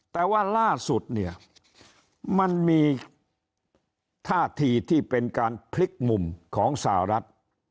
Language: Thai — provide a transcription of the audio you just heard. แต่ว่าล่าสุดเนี่ยมันมีท่าทีที่เป็นการพลิกมุมของสหรัฐ